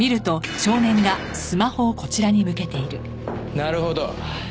なるほど。